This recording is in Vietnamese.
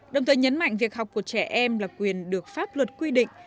đồng thời nhấn mạnh việc học của trẻ em là quyền được pháp luật quy định